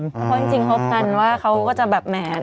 เพราะจริงคบกันว่าเขาก็จะแบบแหม